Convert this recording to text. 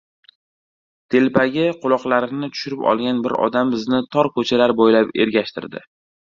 Telpagi quloqlarini tushirib olgan bir odam bizni tor ko‘chalar bo‘ylab ergashtirdi.